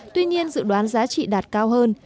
tuy nhiên dự đoán giá trị đạt cao hơn